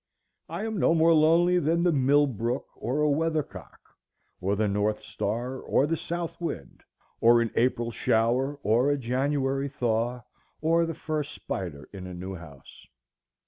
I am no more lonely than the Mill Brook, or a weathercock, or the north star, or the south wind, or an April shower, or a January thaw, or the first spider in a new house.